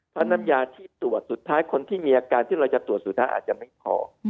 เพราะน้ำยาที่ตรวจสุดท้ายคนที่มีอาการที่เราจะตรวจสุดท้ายอาจจะไม่พอ